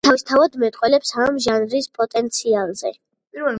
ეს თავისთავად მეტყველებს ამ ჟანრის პოტენციალზე.